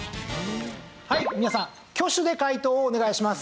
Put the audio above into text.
はい皆さん挙手で解答をお願いします。